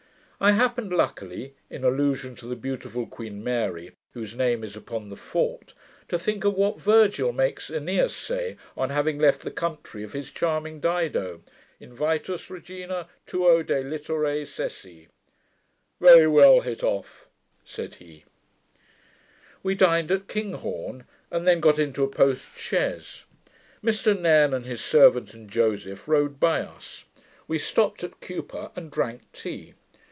I happened luckily, in allusion to the beautiful Queen Mary, whose name is upon the fort, to think of what Virgil makes Aeneas say, on having left the country of his charming Dido: Invitus, regina, tuo de littare cessi. [Footnote: Unhappy queen! Unwilling I forsook your friendly state. DRYDEN] 'Very well hit off!' said he. We dined at Kinghorn, and then got into a post chaise. Mr Nairne and his servant, and Joseph, rode by us. We stopped at Cupar, and drank tea.